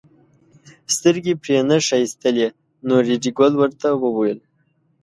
سترګې پرې نه ښایستلې نو ریډي ګل ورته وویل.